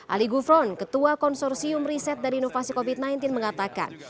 ali gufron ketua konsorsium riset dan inovasi covid sembilan belas mengatakan